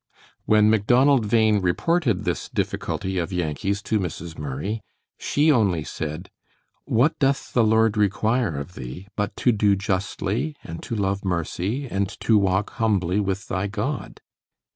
When Macdonald Bhain reported this difficulty of Yankee's to Mrs. Murray, she only said: "'What doth the Lord require of thee, but to do justly, and to love mercy, and to walk humbly with thy God?'"